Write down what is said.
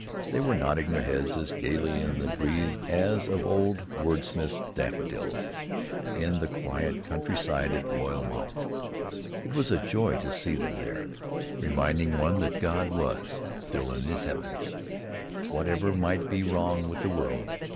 They were nodding their heads as gayly in the breeze as of old did Wordsworth's daffodils in the quiet countryside at Rydal Mount. It was a joy to see them there, reminding one that God was still in his heaven, whatever might be wrong with the world.